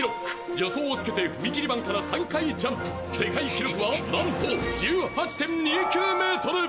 「助走をつけて踏み切り板から３回ジャンプ」「世界記録はなんと１８．２９メートル！」